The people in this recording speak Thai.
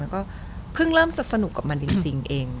แล้วก็เพิ่งเริ่มจะสนุกกับมันจริงเอง